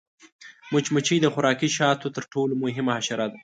مچمچۍ د خوراکي شاتو تر ټولو مهمه حشره ده